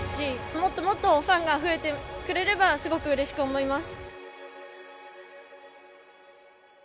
もっともっとファンが増えてくれればすごくうれしく思います。